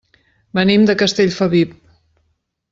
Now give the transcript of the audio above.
Venim de Castellfabib.